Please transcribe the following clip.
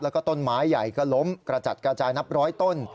แล้วก็ต้นไม้ใหญ่ก็ล้มกระจัดกระจายนับร้อยต้น